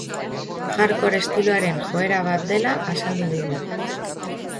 Hardcore estiloaren joera bat dela azaldu digu.